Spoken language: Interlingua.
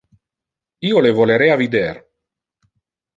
Io le volerea vider.